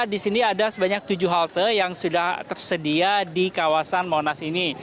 di sini ada sebanyak tujuh halte yang sudah tersedia di kawasan monas ini